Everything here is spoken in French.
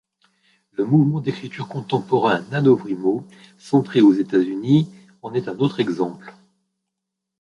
Le mouvement d'écriture contemporain NaNoWriMo, centré aux États-Unis, en est un autre exemple.